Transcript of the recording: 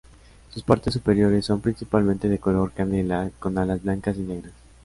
Sus partes superiores son principalmente de color canela, con alas blancas y negras.